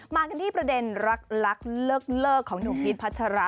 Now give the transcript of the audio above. มากันที่ประเด็นรักเลิกของหนุ่มพีชพัชระ